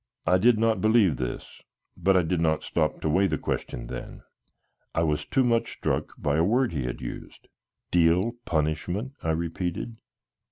I did not believe this, but I did not stop to weigh the question then; I was too much struck by a word he had used. "Deal punishment?" I repeated.